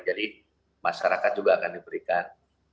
jadi masyarakat juga akan diberikan